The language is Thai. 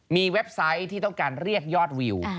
มีเว็บไซต์ที่ต้องการเรียกยอดวิว